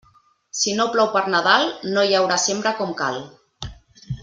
Si no plou per Nadal, no hi haurà sembra com cal.